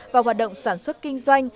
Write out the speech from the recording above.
và hoạt động sản xuất kinh doanh